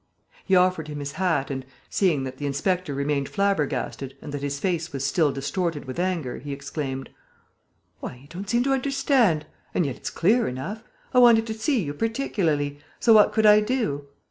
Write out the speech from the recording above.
He offered him his hand and, seeing that the inspector remained flabbergasted and that his face was still distorted with anger, he exclaimed: "Why, you don't seem to understand!... And yet it's clear enough.... I wanted to see you particularly.... So what could I do?"